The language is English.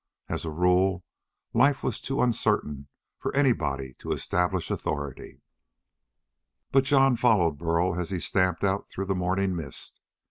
As a rule life was too uncertain for anybody to establish authority. But Jon followed Burl as he stamped on through the morning mist.